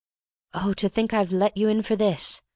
"Oh, to think I've let you in for this!"